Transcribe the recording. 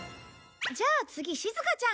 じゃあ次しずかちゃん。